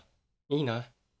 いいな。